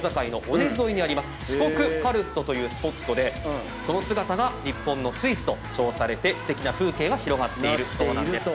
四国カルストというスポットでその姿が日本のスイスと称されてすてきな風景が広がっているそうなんです。